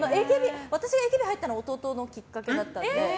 私がＡＫＢ入ったのは弟がきっかけだったので。